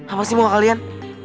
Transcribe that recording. apa sih mbak kalian